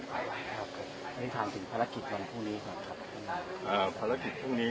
ครับอ่าภารกิจพรุ่งนี้